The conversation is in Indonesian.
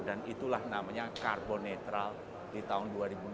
dan itulah namanya karbon netral di tahun dua ribu enam puluh